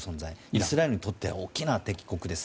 イスラエルにとって大きな敵国です。